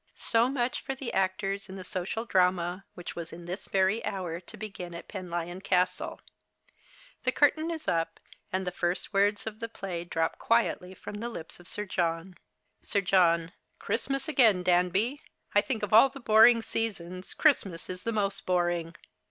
So much for the actors in the social drama, Avhich was in this very hour to begin at Penlyon Castle. The curtain is up, and the first words of the ptay drop quietly from the lips of Sir John. SiE John. Christmas again, Danby ! I think of all the boring seasons Christmas is the most boring.